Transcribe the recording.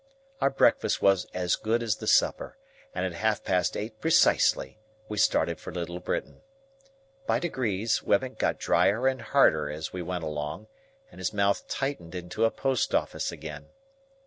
Our breakfast was as good as the supper, and at half past eight precisely we started for Little Britain. By degrees, Wemmick got dryer and harder as we went along, and his mouth tightened into a post office again.